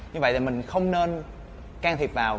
như vậy thì mình không nên can thiệp vào